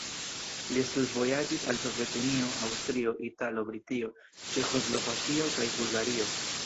Li studvojaĝis al Sovetunio, Aŭstrio, Italio, Britio, Ĉeĥoslovakio kaj Bulgario.